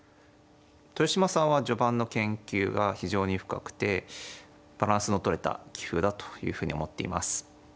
豊島さんは序盤の研究が非常に深くてバランスのとれた棋風だというふうに思っています。